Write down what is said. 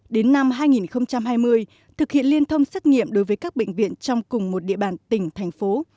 đến năm hai nghìn hai mươi thực hiện liên thông xét nghiệm đối với các bệnh viện trong cùng một địa bàn tỉnh thành phố